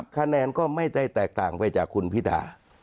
คะแนนก็ไม่ได้แตกต่างไปจากคุณพิธา